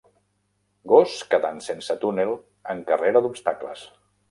Gos quedant sense túnel en carrera d'obstacles